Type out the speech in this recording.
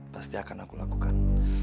pasti akan aku lakukan